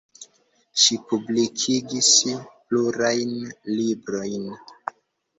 Ŝi publikigis plurajn librojn.